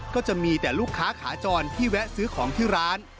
ก็จะมีแต่ลูกค้าขาจรที่แวะซื้อของที่ร้าน